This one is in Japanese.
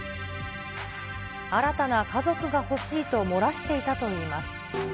新たな家族が欲しいと漏らしていたといいます。